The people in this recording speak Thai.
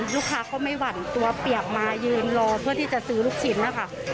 ลูกค้าก็ไม่หวั่นตัวเปียกมายืนรอเพื่อที่จะซื้อลูกชิ้นนะคะ